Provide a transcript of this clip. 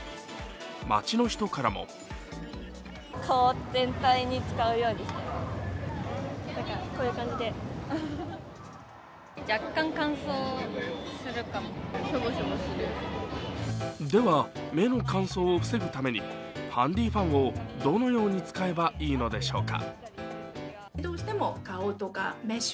街の人からもでは目の乾燥を防ぐためにハンディファンをどのように使えばいいのでしょうか。